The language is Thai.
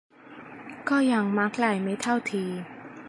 ก็ยังมาไกลไม่เท่าที่